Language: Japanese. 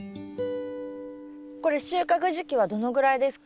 これ収穫時期はどのぐらいですか？